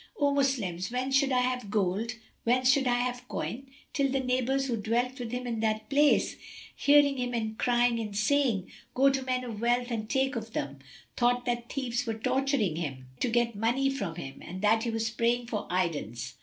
O Moslems, whence should I have gold, whence should I have coin?" till the neighbours, who dwelt with him in that place, hearing him crying and saying, "Go to men of wealth and take of them," thought that thieves were torturing him, to get money from him, and that he was praying for aidance.